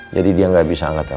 jadi dia gak bisa angkat telepon